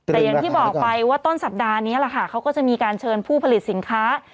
แต่อย่างที่บอกไปว่าต้นสัปดาห์นี้แหละค่ะเขาก็จะมีการเชิญผู้ผลิตสินค้า